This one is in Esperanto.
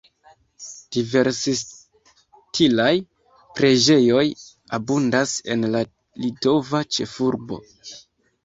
Diversstilaj preĝejoj abundas en la litova ĉefurbo.